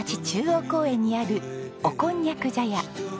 中央公園にあるおこんにゃく茶屋。